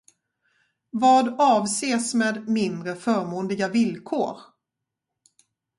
Vad avses med mindre förmånliga villkor?